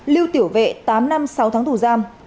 lưu tiểu vệ tám năm sáu tháng tù giam